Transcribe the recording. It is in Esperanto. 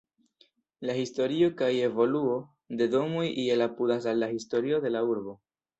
La historio kaj evoluo de domoj iel apudas al la historio de la urbo.